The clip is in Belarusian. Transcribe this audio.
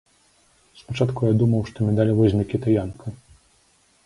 Спачатку я думаў, што медаль возьме кітаянка.